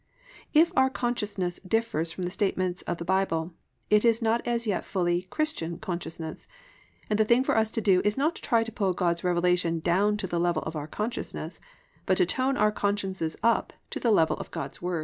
If our "consciousness" differs from the statements of the Bible, it is not as yet a fully "Christian consciousness," and the thing for us to do is not to try to pull God's revelation down to the level of our consciousness but to tone our consciousness up to the level of God's Word.